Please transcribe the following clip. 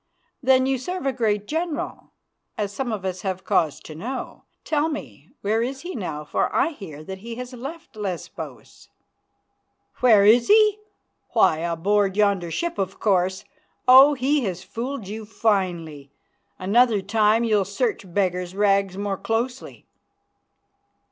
"Then you serve a great general, as some of us have cause to know. Tell me, where is he now, for I hear that he has left Lesbos?" "Where is he? Why, aboard yonder ship, of course. Oh! he has fooled you finely. Another time you'll search beggar's rags more closely."